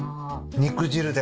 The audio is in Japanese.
肉汁で。